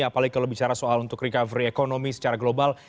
apalagi kalau bicara soal untuk recovery ekonomi secara global